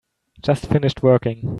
Just finished working.